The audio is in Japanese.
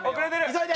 急いで！